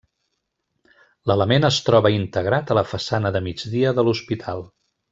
L'element es troba integrat a la façana de migdia de l'hospital.